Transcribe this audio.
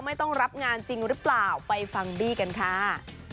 ไม่ต้องรับงานจริงหรือเปล่าไปฟังบี้กันค่ะ